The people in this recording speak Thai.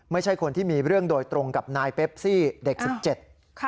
ไม่ใช่คนที่มีเรื่องโดยตรงกับนายเปปซี่เด็กสิบเจ็ดค่ะ